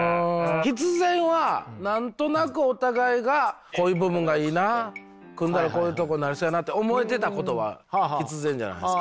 必然は何となくお互いがこういう部分がいいな組んだらこういうとこなりそうやなって思えてたことは必然じゃないすか。